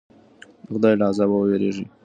د خدای له عذابه وویریږئ.